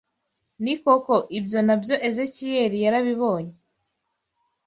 Ni koko ibyo na byo Ezekiyeli yarabibonye.